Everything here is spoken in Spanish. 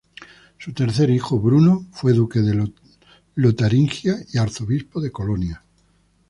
Su tercer hijo, Bruno, fue duque de Lotaringia y arzobispo de Colonia.